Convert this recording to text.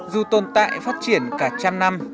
dù tồn tại phát triển cả trăm năm